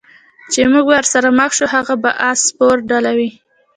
چې موږ به ورسره مخ شو، هغه به د اس سپرو ډله وي.